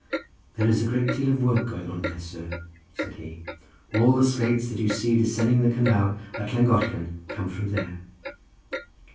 "There is a great deal of work going on there, sir," said he: "all the slates that you see descending the canal at Llangollen come from there."